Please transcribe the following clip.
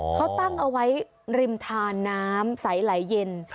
เขาตั้งเอาไว้ริมทานน้ำใสไหลเย็น